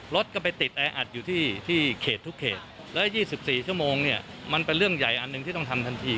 รถก็ไปติดแออัดอยู่ที่เขตทุกเขตและ๒๔ชั่วโมงเนี่ยมันเป็นเรื่องใหญ่อันหนึ่งที่ต้องทำทันที